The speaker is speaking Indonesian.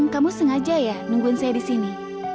kamu sengaja ya nungguin saya di sini